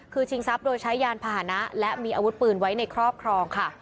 คือชิงทรัพย์โดยใช้ยานพาหนะและมีอาวุธปืนไว้ในครอบครองค่ะ